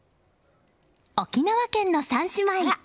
沖縄県の３姉妹。